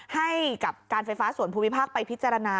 ให้กับการไฟฟ้าส่วนภูมิภาคไปพิจารณา